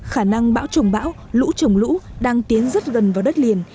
khả năng bão trồng bão lũ trồng lũ đang tiến rất gần vào đất liền